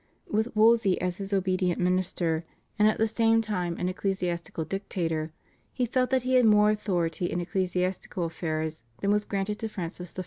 With Wolsey as his obedient minister and at the same time an ecclesiastical dictator, he felt that he had more authority in ecclesiastical affairs than was granted to Francis I.